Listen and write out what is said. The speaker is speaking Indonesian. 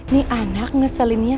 bisa aja lagi jawabannya